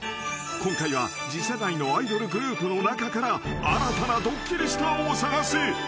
［今回は次世代のアイドルグループの中から新たなドッキリスターを探す］